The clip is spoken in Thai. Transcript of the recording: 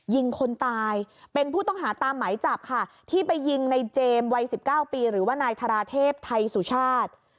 ยิงคนตายเป็นผู้ต้องหาตามไหมจับค่ะที่ไปยิงในเจมส์วัย๑๙ปีหรือว่านายธาราเทพไทยสุชาติ